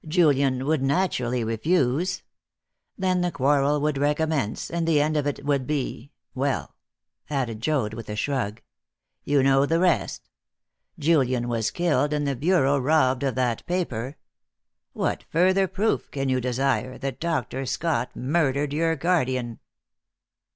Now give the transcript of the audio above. Julian would naturally refuse. Then the quarrel would recommence, and the end of it would be well," added Joad, with a shrug, "you know the rest. Julian was killed, and the bureau robbed of that paper. What further proof can you desire that Dr. Scott murdered your guardian?"